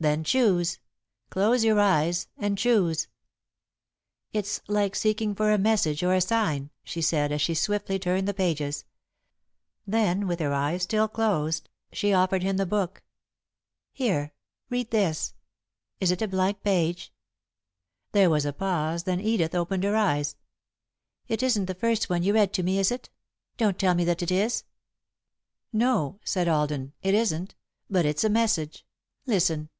"Then choose. Close your eyes, and choose." "It's like seeking for a message, or a sign," she said, as she swiftly turned the pages. Then, with her eyes still closed, she offered him the book. "Here read this. Is it a blank page?" [Sidenote: Severed Selves] There was a pause, then Edith opened her eyes. "It isn't the first one you read to me, is it? Don't tell me that it is!" "No," said Alden, "it isn't, but it's a message. Listen."